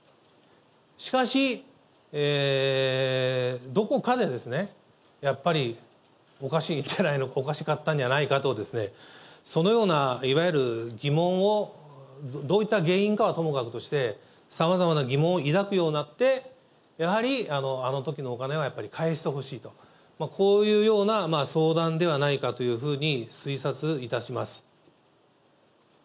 しかし、どこかでですね、やっぱりおかしい、おかしかったんじゃないのかと、そのような、いわゆる疑問を、どういった原因かはともかくとして、さまざまな疑問を抱くようになって、やはり、あのときのお金はやっぱり返してほしいと、こういうような相談ではないかというふうに、推察いたします。